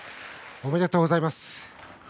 ありがとうございます。